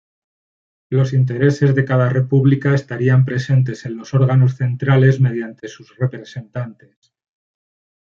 Los intereses de cada república estarían presentes en los órganos centrales mediante sus representantes.